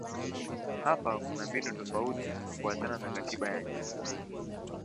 Hapa kuna mbinu tofauti kufuatana na katiba ya nchi.